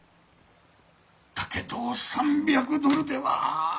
だけど３００ドルでは。